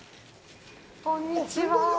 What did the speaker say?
こんにちは。